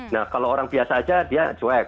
nah kalau orang biasa aja dia cuek